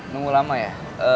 nunggu lama ya